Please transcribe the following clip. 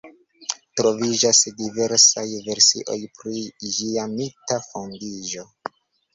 Troviĝas diversaj versioj pri ĝia mita fondiĝo.